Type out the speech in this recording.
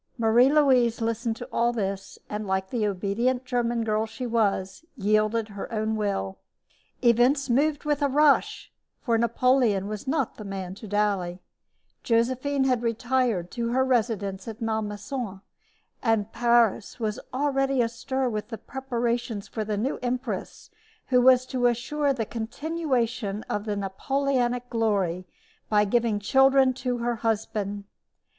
Marie Louise listened to all this, and, like the obedient German girl she was, yielded her own will. Events moved with a rush, for Napoleon was not the man to dally. Josephine had retired to her residence at Malmaison, and Paris was already astir with preparations for the new empress who was to assure the continuation of the Napoleonic glory by giving children to her husband.